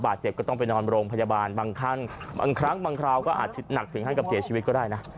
เจ็บก็ต้องไปนอนโรงพยาบาลบางครั้งบางครั้งบางคราวก็อาจจะหนักถึงขั้นกับเสียชีวิตก็ได้นะ